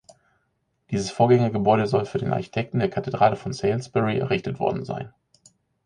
Dieses Vorgängergebäude soll für den Architekten der Kathedrale von Salisbury errichtet worden sein.